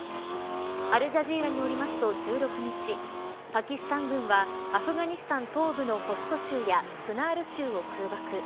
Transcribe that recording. アルジャジーラによりますと１６日パキスタン軍はアフガニスタン東部のホスト州とクナール州を空爆。